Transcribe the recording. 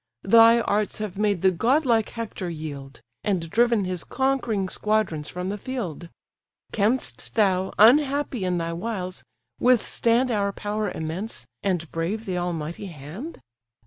Thy arts have made the godlike Hector yield, And driven his conquering squadrons from the field. Canst thou, unhappy in thy wiles, withstand Our power immense, and brave the almighty hand?